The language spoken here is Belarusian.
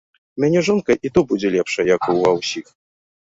У мяне жонка і то будзе лепшая, як у ва ўсіх.